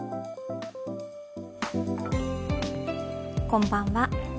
こんばんは。